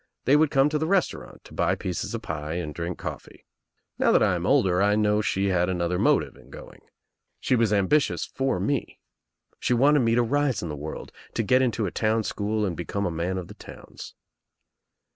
They would come to the restaurant to buy pieces of pie and drink coffee. Now that I am older I know that she had another motive in going. She was ambitious for me. She wanted me to rise in the world, to get into a town school and become a man of ttbe towns.